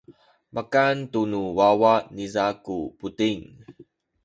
makan tu nu wawa niza ku buting.